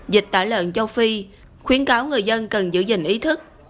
dịch tả lợn châu phi khuyến cáo người dân cần giữ gìn ý thức